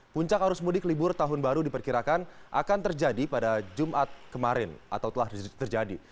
puncak arus mudik libur tahun baru diperkirakan akan terjadi pada jumat kemarin atau telah terjadi